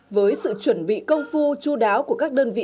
với sự chuẩn bị công phu chú đáo của các đơn vị